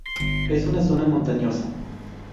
Es una zona montañosa.